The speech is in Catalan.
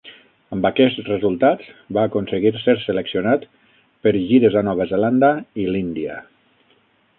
Amb aquests resultats va aconseguir ser seleccionat per gires a Nova Zelanda i l'Índia.